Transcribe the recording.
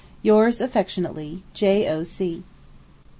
Yours affectionately, J.O.C.